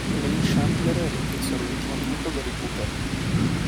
Lane Chandler rimpiazzò all'ultimo minuto Gary Cooper.